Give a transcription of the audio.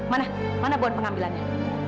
mana mana buan pengambilannya